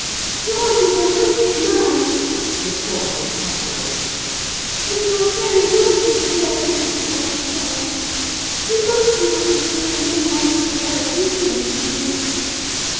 "Yours is a wicked man," retorted Catherine; "and you are very naughty to dare to repeat what he says. He must be wicked to have made Aunt Isabella leave him as she did."